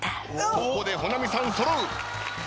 ここで保奈美さん揃う。